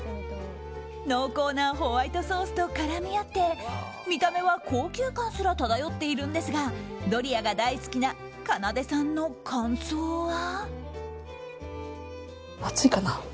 濃厚なホワイトソースと絡み合って見た目は高級感すら漂っているんですがドリアが大好きなかなでさんの感想は。